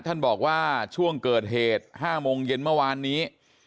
ท่านบอกว่าช่วงเกิดเหตุ๕โมงเย็นเมื่อวานนี้